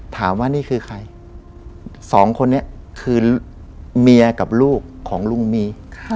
ถามว่านี่คือใครสองคนนี้คือเมียกับลูกของลุงมี